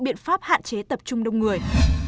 biện pháp hạn chế tập trung đông người